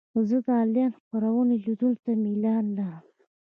زه د انلاین خپرونو لیدو ته میلان لرم.